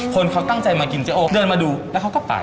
คนเขาตั้งใจมากินเจ๊โอเดินมาดูแล้วเขาก็ไป